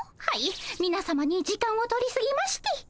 はいみなさまに時間を取りすぎまして。